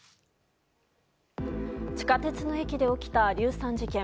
地下鉄の駅で起きた硫酸事件。